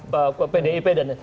pdip dan lain sebagainya